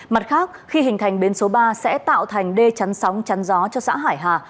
mặt khác khi hình thành bến số ba sẽ tạo thành đê chắn sóng chắn gió cho xã hải hà